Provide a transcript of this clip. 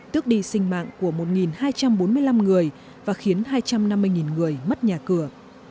tước đi sinh mạng của một hai trăm bốn mươi năm người và khiến hai trăm năm mươi người mất nhà cửa